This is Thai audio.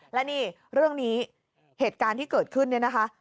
และนี่เรื่องนี้เหตุการณ์ที่เกิดขึ้นเนี่ยนะคะ